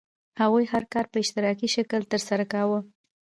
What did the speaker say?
هغوی هر کار په اشتراکي شکل ترسره کاوه.